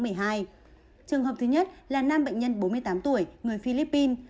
trường hợp thứ nhất là nam bệnh nhân bốn mươi tám tuổi người philippines